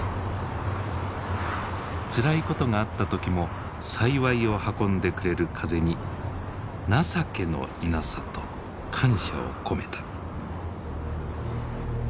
つらいことがあった時も幸いを運んでくれる風に「情けのイナサ」と感謝を込めた。